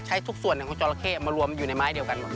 ทุกส่วนของจอราเข้มารวมอยู่ในไม้เดียวกันหมด